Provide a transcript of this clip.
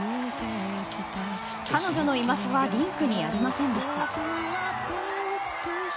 彼女の居場所はリンクにありませんでした。